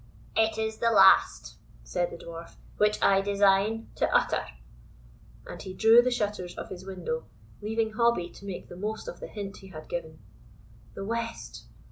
"It is the last," said the Dwarf, "which I design to utter;" and he drew the shutters of his window, leaving Hobbie to make the most of the hint he had given. The west!